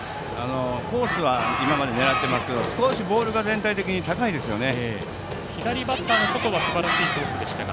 コースは今まで狙えてましたがボールが全体的に高いですよね。